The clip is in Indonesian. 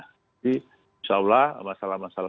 jadi insya allah masalah masalah